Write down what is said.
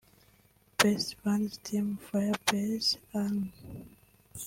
Best Fans Team- Fire Base Army